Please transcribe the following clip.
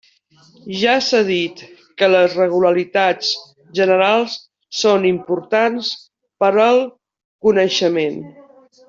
Ja s'ha dit que les regularitats generals són importants per al coneixement.